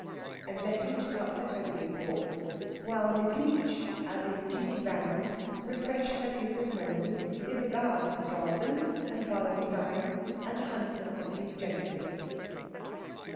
And Letty took up her toasting fork, while Miss Leech, as in duty bound, refreshed her pupil's memory in regard to Stralsund and Wallenstein and the Hansa cities generally.